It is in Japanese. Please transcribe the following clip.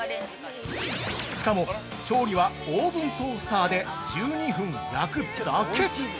しかも、調理はオーブントースターで１２分焼くだけ。